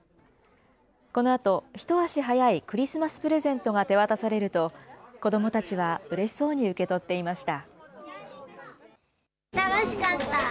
このあと、一足早いクリスマスプレゼントが手渡されると、子どもたちはうれしそうに受け取っていました。